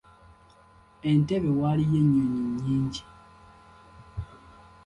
Entebbe waliyo ennyonyi nnyingi.